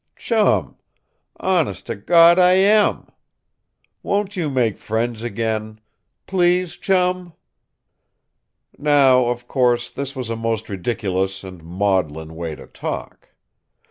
Chum! Honest to Gawd, I am! Won't you make friends again? PLEASE, Chum!" Now, of course, this was a most ridiculous and maudlin way to talk.